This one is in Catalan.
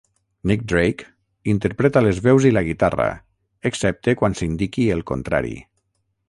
Nick Drake interpreta les veus i la guitarra, excepte quan s'indiqui el contrari.